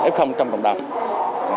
f trong vòng đạp